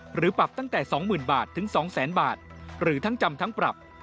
หรือปรับตั้งแต่๒๐๐๐บาทถึง๒๐๐๐บาทหรือทั้งจำทั้งปรับ